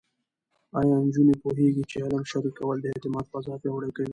ایا نجونې پوهېږي چې علم شریکول د اعتماد فضا پیاوړې کوي؟